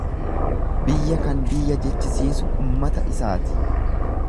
Biyya kan biyya jechisiisu ummata isaati.